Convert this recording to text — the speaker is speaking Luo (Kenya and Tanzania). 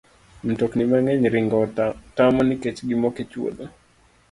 Mtokni mang'eny ringo tamo nikech gimoko e chwodho.